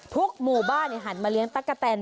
ทุกหมู่บ้านเนี่ยหันมาเลี้ยงตะกะแตน